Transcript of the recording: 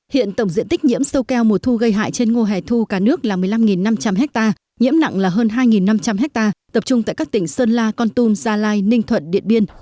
hiện tổng diện tích nhiễm sâu keo mùa thu gây hại trên ngô hẻ thu cả nước là một mươi năm năm trăm linh ha nhiễm nặng là hơn hai năm trăm linh ha tập trung tại các tỉnh sơn la con tum gia lai ninh thuận điện biên